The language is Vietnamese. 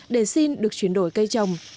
để xin được chuyển đổi cây trồng